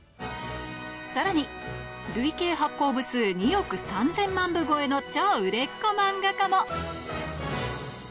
さらに、累計発行部数２億３０００万部超えの超売れっ子漫画家も。